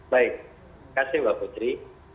baik terima kasih mbak putri